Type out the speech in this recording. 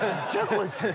こいつ。